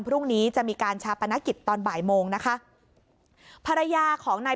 พรุ่งนี้จะมีการชาปนกิจตอนบ่ายโมงนะคะภรรยาของนาย